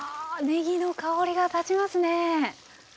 ああねぎの香りが立ちますね！